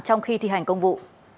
trong khi thi hành công vụ